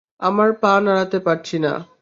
আমার পা নাড়াতে পারছি না!